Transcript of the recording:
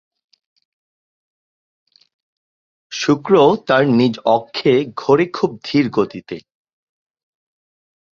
শুক্র তার নিজ অক্ষে ঘোরে খুব ধীরগতিতে।